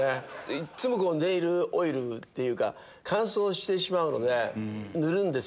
いつもネイルオイルっていうか乾燥してしまうので塗るんです。